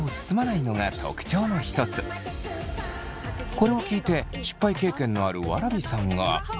これを聞いて失敗経験のあるわらびさんが。